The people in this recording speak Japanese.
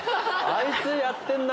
あいつやってんな。